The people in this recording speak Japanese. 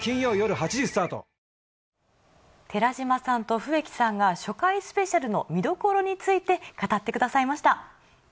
寺島さんと笛木さんが初回スペシャルの見どころについて語ってくださいました。